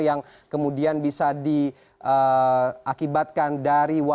yang kemudian bisa diakibatkan dari virus corona